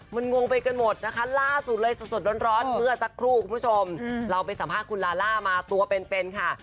มันงงไปกันหมดนะคะล่าสุดเลยสดร้อนเมื่อสักครู่คุณผู้ชมเราไปสัมภาษณ์คุณลาล่ามาตัวเป็นเป็นค่ะ